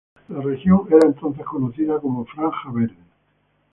La región era entonces conocida como Franja Verde.